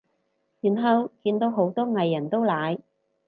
然後見到好多藝人都奶